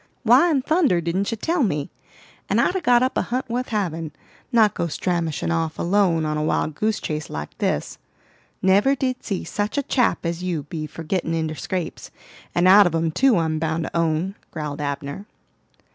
"Why in thunder didn't you tell me? and I'd a got up a hunt wuth havin', not go stramashing off alone on a wild goose chase like this. Never did see such a chap as you be for gittin' inter scrapes, and out of 'em too, I'm bound to own," growled Abner.